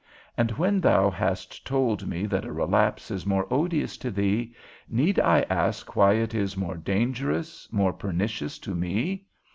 And when thou hast told me that a relapse is more odious to thee, need I ask why it is more dangerous, more pernicious to me?